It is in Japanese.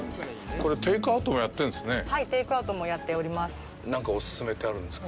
これ、テイクアウトもやってるんですね？